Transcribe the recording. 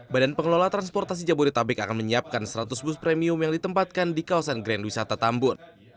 badan pengelola transportasi jabodetabek akan menyiapkan seratus bus premium yang ditempatkan di kawasan grand wisata tambun